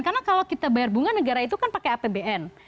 karena kalau kita bayar bunga negara itu kan pakai apbn